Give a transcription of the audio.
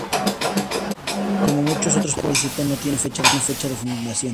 Como muchos otros pueblos, Bella Vista no tiene fecha de fundación.